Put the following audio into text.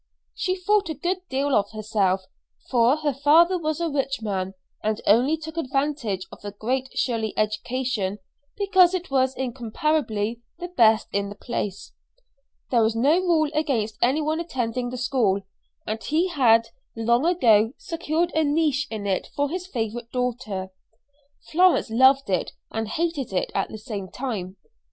She thought a good deal of herself, for her father was a rich man, and only took advantage of the Great Shirley education because it was incomparably the best in the place. There was no rule against any one attending the school, and he had long ago secured a niche in it for his favorite daughter. Florence loved it and hated it at the same time.